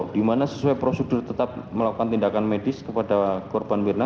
di mana sesuai prosedur tetap melakukan tindakan medis kepada korban mirna